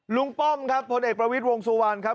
ลุงป้อมครับผลเอกประวิธิวงศ์สวรรค์ครับ